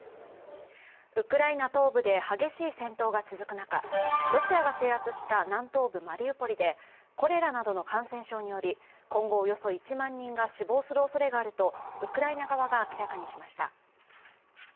ウクライナ東部で激しい戦闘が続く中、ロシアが制圧した南東部マリウポリで、コレラなどの感染症により今後およそ１万人が死亡するおそれがあるとウクライナ側が明らかにしました。